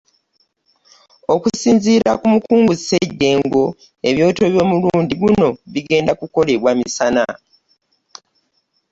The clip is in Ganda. Okusinziira Ku mukungu Ssejjengo, ebyoto by'omulundi guno bigenda kukolebwa misana.